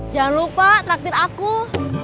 jangan lupa traktir akunya